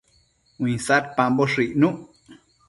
Uinsadpamboshë icnuc